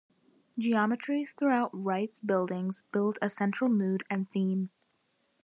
Geometries throughout Wright's buildings build a central mood and theme.